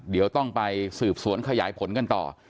เดี๋ยวต้องไปสืบสวนขยายผลกันต่อ